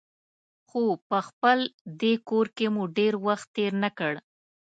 خو په خپل دې کور کې مو ډېر وخت تېر نه کړ.